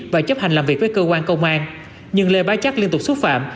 và chấp hành làm việc với cơ quan công an nhưng lê bá chắc liên tục xúc phạm